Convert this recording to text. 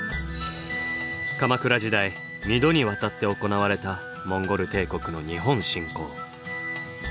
鎌倉時代２度にわたって行われたモンゴル帝国の日本侵攻。